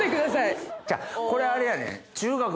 ちゃうこれあれやねん。